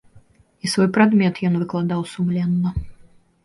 І свой прадмет ён выкладаў сумленна.